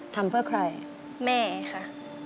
ทำเพื่อใครแม่ค่ะ